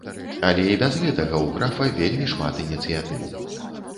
Але і без гэтага у графа вельмі шмат ініцыятыў.